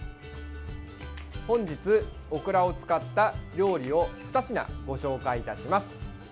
本日、オクラを使った料理を２品ご紹介いたします。